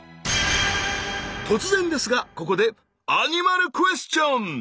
突然ですがここでアニマルクエスチョン。